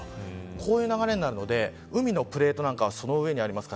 こういう流れなので海のプレートはその上にあります。